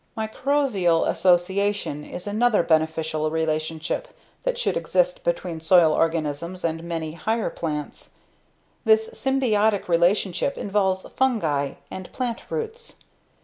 Mycorrhizal association is another beneficial relationship that should exist between soil organisms and many higher plants. This symbiotic relationship involves fungi and plant roots.